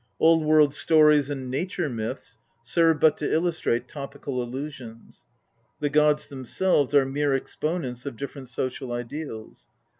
Old world stories and nature myths serve but to illustrate topical allusions. The gods themselves are mere exponents of different social ideals.